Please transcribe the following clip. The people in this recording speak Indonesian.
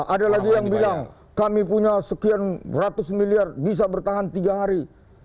ada lagi yang bilang kami punya sekian ratus miliar bisa bertahan tiga hari